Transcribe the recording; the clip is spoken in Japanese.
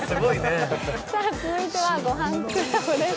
続いては「ごはんクラブ」です。